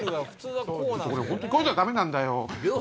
本当こういうのダメなんだよ！